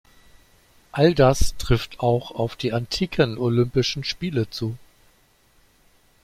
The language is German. All das trifft auch auf die antiken Olympischen Spiele zu.